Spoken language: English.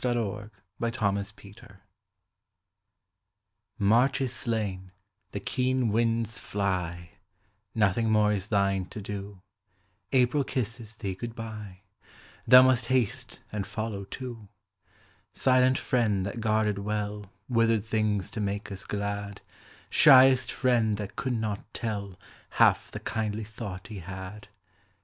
GOD SPEED TO THE SNOW March is slain; the keen winds fly; Nothing more is thine to do; April kisses thee good bye; Thou must haste and follow too; Silent friend that guarded well Withered things to make us glad, Shyest friend that could not tell Half the kindly thought he had.